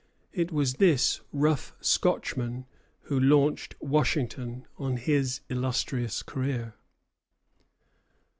It was this rough Scotchman who launched Washington on his illustrious career.